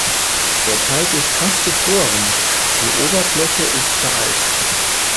Der Teich ist fast gefroren, die Oberfläche ist vereist.